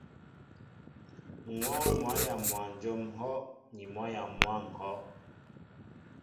M̀ wɔ́ɔ́ŋ mwǎyaŋ mwanjóm ŋ̀hɔ́' ni mwǎyaŋ mwǎ ŋ̀hɔ́.